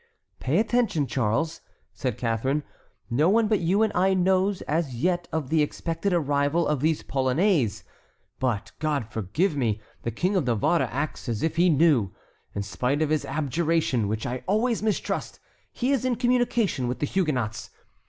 "Pay attention, Charles," said Catharine, "no one but you and I knows as yet of the expected arrival of these Polonais. But, God forgive me, the King of Navarre acts as if he knew. In spite of his abjuration, which I always mistrust, he is in communication with the Huguenots.